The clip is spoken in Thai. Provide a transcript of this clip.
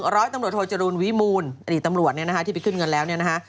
ร้อยตำรวจโทจรูลวิมูลอดีตตำรวจเนี่ยนะฮะที่ไปขึ้นเงินแล้วเนี่ยนะฮะ